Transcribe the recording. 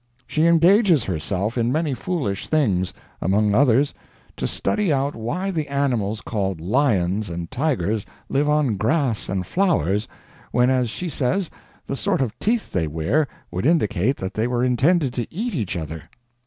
She engages herself in many foolish things; among others; to study out why the animals called lions and tigers live on grass and flowers, when, as she says, the sort of teeth they wear would indicate that they were intended to eat each other.